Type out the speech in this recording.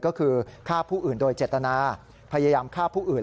ก็คือฆ่าผู้อื่นโดยเจตนาพยายามฆ่าผู้อื่น